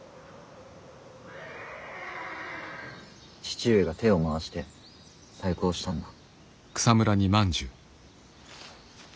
父上が手を回して細工をしたんだ。